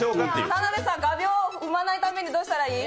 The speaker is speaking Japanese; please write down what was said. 田辺さん、画びょう踏まないためにどうしたらいい？